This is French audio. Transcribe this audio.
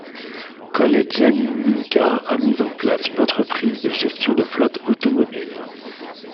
Colette Jeanine Minka a mis en place une entreprise de gestion de flotte automobile.